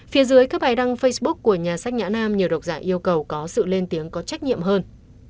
phía dưới các bài đăng facebook của nhà sách nhã nam nhiều độc giả yêu cầu có sự lên tiếng có trách nhiệm hơn